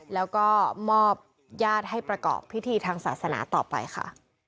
แล้วก็มอบญาติให้ประกอบพิธีทางศาสนาต่อไปค่ะ